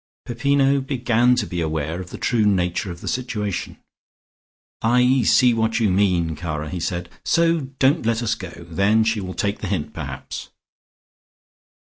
Peppino began to be aware of the true nature of the situation. "I see what you mean, cara," he said. "So don't let us go. Then she will take the hint perhaps."